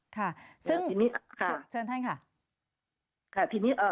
ค่ะซึ่งเชิญให้ค่ะ